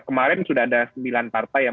kemarin sudah ada sembilan partai yang